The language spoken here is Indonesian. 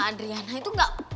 adriana itu gak